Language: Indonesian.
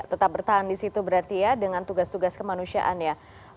tetap bertahan di situ berarti ya dengan tugas tugas kemanusiaan ya